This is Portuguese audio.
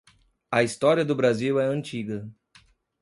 A história do Brasil é antiga.